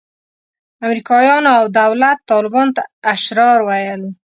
امریکایانو او دولت طالبانو ته اشرار ویل.